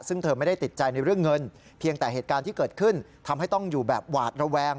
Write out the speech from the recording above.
ซึ่งเธอไม่ได้ติดใจในเรื่องเงินเพียงแต่เหตุการณ์ที่เกิดขึ้นทำให้ต้องอยู่แบบหวาดระแวง